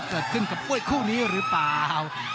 เกิดขึ้นกับคู่นี้รึเปล่า